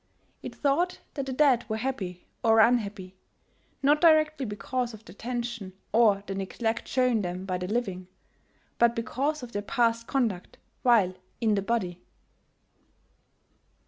It taught that the dead were happy or unhappy not directly because of the attention or the neglect shown them by the living, but because of their past conduct while in the body.